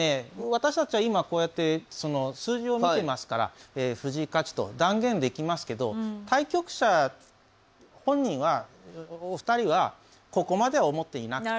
私たちは今こうやって数字を見てますから藤井勝ちと断言できますけど対局者本人はお二人はここまでは思っていなくて。